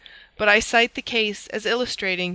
But I cite the case as illustrating M.